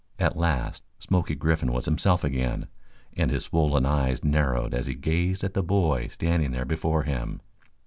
At last Smoky Griffin was himself again, and his swollen eyes narrowed as he gazed at the boy standing there before him.